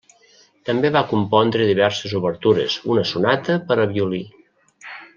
També va compondre diverses obertures, una sonata per a violí.